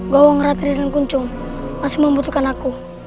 ketidakadilan kunchung masih membutuhkan aku